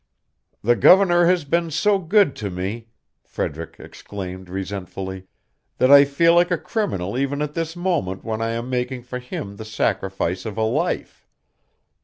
"The governor has been so good to me," Frederick exclaimed resentfully, "that I feel like a criminal even at this moment when I am making for him the sacrifice of a life.